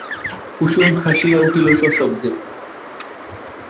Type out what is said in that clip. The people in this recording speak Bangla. কুসুম হাসিয়া উঠিল সশব্দে।